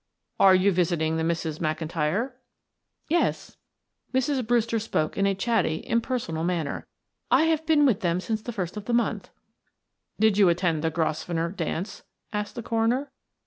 "Are you visiting the Misses McIntyre?" "Yes." Mrs. Brewster spoke in a chatty impersonal manner. "I have been with them since the first of the month." "Did you attend the Grosvenor dance?" asked the coroner.